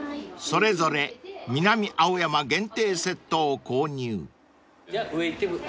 ［それぞれ南青山限定セットを購入］じゃ上行っても。